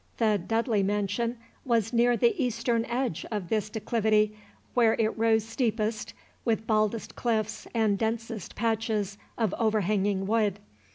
The "Dudley Mansion" was near the eastern edge of this declivity, where it rose steepest, with baldest cliffs and densest patches of overhanging wood.